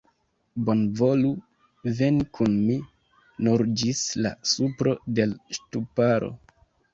Bonvolu veni kun mi, nur ĝis la supro de l' ŝtuparo.